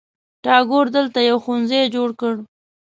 ټاګور دلته یو ښوونځي جوړ کړ.